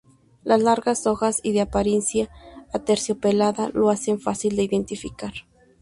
Las largas hojas y de apariencia "aterciopelada" lo hacen fácil de identificar.